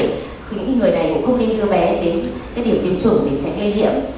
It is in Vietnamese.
thì những người này cũng không nên đưa bé đến cái điểm tiêm chủng để tránh lây nhiễm